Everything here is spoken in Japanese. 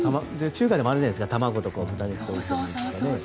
中華でもあるじゃないですか卵と豚肉とね。